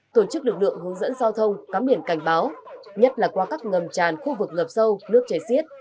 tổ chức lực lượng hướng dẫn giao thông cắm biển cảnh báo nhất là qua các ngầm tràn khu vực ngập sâu nước chảy xiết